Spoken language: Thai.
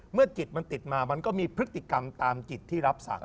เมื่อจิตมันติดมามันก็มีพฤติกรรมตามจิตที่รับศักดิ์